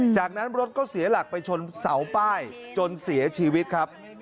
จากนั้นรถก็เสียหลักไปชนเสาป้ายจนเสียชีวิตครับ